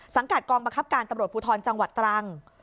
สังกัดกองมหักพยาบาดปุถอนจังหวัดตรัง